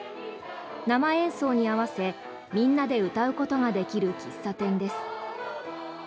生演奏に合わせみんなで歌うことができる喫茶店です。